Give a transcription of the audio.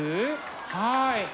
はい。